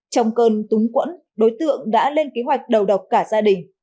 trong cơn túng quẫn đối tượng đã lên kế hoạch đầu độc cả gia đình